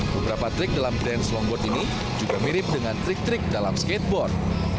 beberapa trik dalam dance longboard ini juga mirip dengan trik trik dalam skateboard